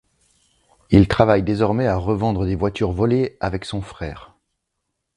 Il travaille désormais à revendre des voitures volées avec son frère.